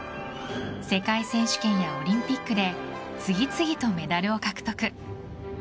世界選手権やオリンピックで次々とメダルを獲得。